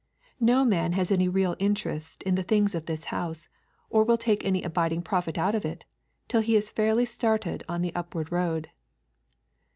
No man has any real interest in the things of this house, or will take any abiding profit out of it, till he is fairly started on the upward road.